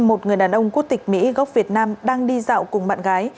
một người đàn ông quốc tịch mỹ gốc việt nam đang đi dạo cùng bạn gái